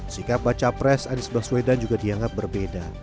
sikap baca pres anies baswedan juga dianggap berbeda